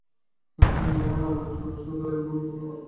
ঘাসফড়িঙের লম্বা শুঁড় ছুরির ভূমিকা পালন করল।